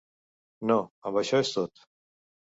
No, amb això és tot.